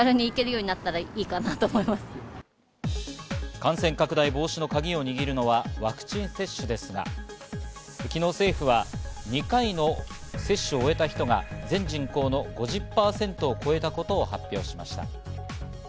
感染拡大防止のカギを握るのはワクチン接種ですが、昨日政府は２回の接種を終えた人が全人口の５０％を超えたことを発表しました。